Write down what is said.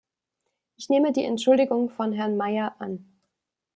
Ich nehme die Entschuldigung von Herrn Mayer an.